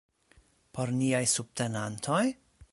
Por niaj subtenantoj?